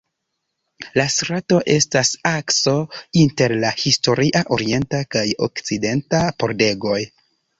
La strato estas la akso inter la historia orienta kaj okcidenta pordegoj.